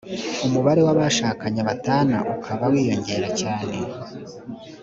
umubare w’abashakanye batana ukaba wiyongera cyane